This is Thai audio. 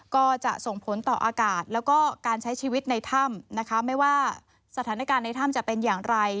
ก็จะส่งผลต่ออากาศแล้วก็การใช้ชีวิตในถ้ำนะคะไม่ว่าสถานการณ์ในถ้ำจะเป็นอย่างไร